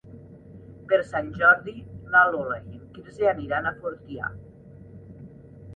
Per Sant Jordi na Lola i en Quirze aniran a Fortià.